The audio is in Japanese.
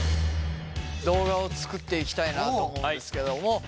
動画を作っていきたいなと思うんですけども。